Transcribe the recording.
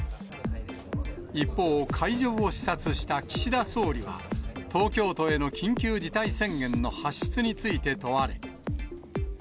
一方、会場を視察した岸田総理は、東京都への緊急事態宣言の発出について問われ。